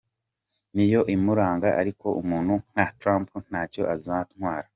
Niyo imuranga ariko umuntu nka Trump ntacyo azantwara.